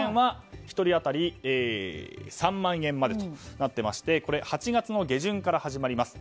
１人当たり３万円までとなっていまして８月の下旬から始まります。